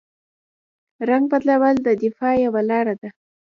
رنګ بدلول د دفاع یوه لاره ده